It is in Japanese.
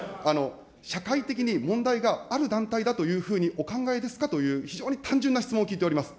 社会的に問題がある団体だというふうにお考えですかという、非常に単純な質問を聞いております。